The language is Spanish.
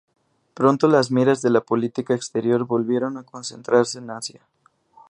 Pronto las miras de la política exterior volvieron a concentrarse en Asia.